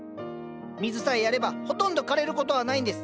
水さえやればほとんど枯れることはないんです。